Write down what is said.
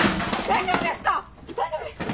大丈夫ですか？